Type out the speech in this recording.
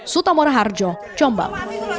suta moraharjo jombang